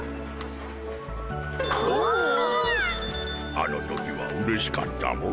あの時はうれしかったモ。